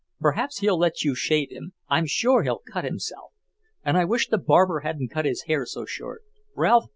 Perhaps he'll let you shave him; I'm sure he'll cut himself. And I wish the barber hadn't cut his hair so short, Ralph.